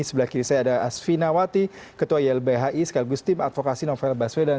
sebelah kiri saya ada asfi nawati ketua ylbhi skalgus tim advokasi novel baswedan